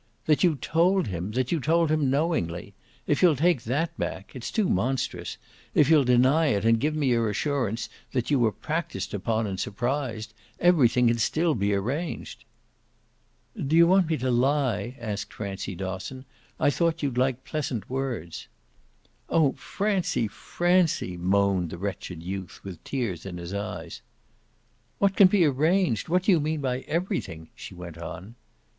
"That you told him that you told him knowingly. If you'll take that back (it's too monstrous!) if you'll deny it and give me your assurance that you were practised upon and surprised, everything can still be arranged." "Do you want me to lie?" asked Francie Dosson. "I thought you'd like pleasant words." "Oh Francie, Francie!" moaned the wretched youth with tears in his eyes. "What can be arranged? What do you mean by everything?" she went on.